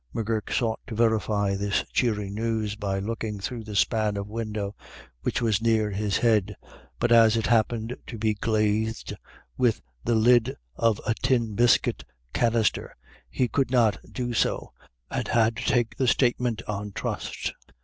M'Gurk sought to verify this cheering news by looking through the .span of window, which was near his head, but as it happened to be glazed with the lid of a tin biscuit canister he could not do so, and had to take the statement on trust.